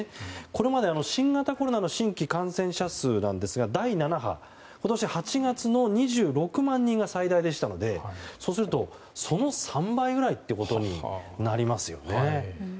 これまで新型コロナの新規感染者数第７波、今年８月の２６万人が最大でしたのでそうすると、その３倍ぐらいということになりますよね。